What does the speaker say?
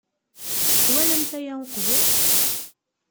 Twalamt aya uqbel?